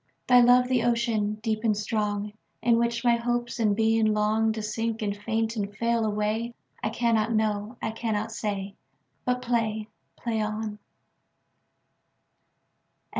Thy love the ocean, deep and strong, In which my hopes and being longTo sink and faint and fail away?I cannot know. I cannot say. But play, play on.